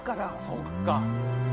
そっか。